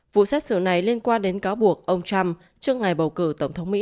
vụ xét xử này liên quan đến cáo buộc ông trump trước ngày bầu cử tổng thống mỹ